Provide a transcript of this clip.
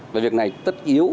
và việc này tất yếu